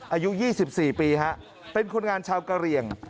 อายุ๒๔ปีเป็นคนงานชาวกะเหลี่ยง